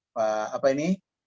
pak apa ini